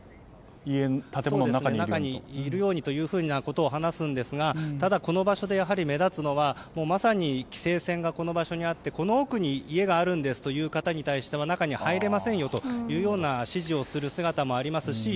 中にいるようにというふうなことを話すんですがただ、この場所で目立つのはまさに規制線がこの場所にあってこの奥に家があるんですという方に対しては中に入れませんよというような指示をする姿もありますし